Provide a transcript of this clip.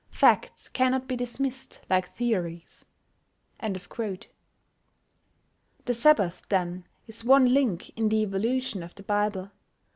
Facts cannot be dismissed like theories." The Sabbath, then, is one link in the evolution of the Bible.